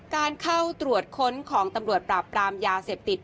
การเข้าตรวจค้นของตำรวจปราบปรามยาเสพติด